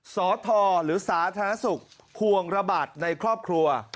สทหรือสาธารณสุขห่วงระบาดในครอบครัว